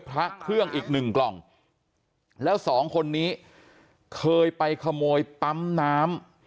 พระเครื่องอีกหนึ่งกล่องแล้วสองคนนี้เคยไปขโมยปั๊มน้ำ